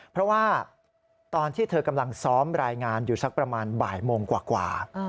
เพราะว่าตอนที่เธอกำลังซ้อมรายงานอยู่สักประมาณบ่ายโมงกว่า